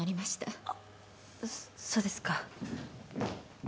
あっそうですか。